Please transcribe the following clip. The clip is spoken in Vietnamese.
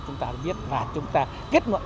chúng ta biết và chúng ta kết luận